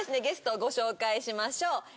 ゲストをご紹介しましょう。